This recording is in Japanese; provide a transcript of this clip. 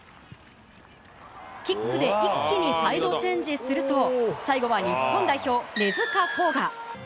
キックで一気にサイドチェンジすると、最後は日本代表、根塚洸雅。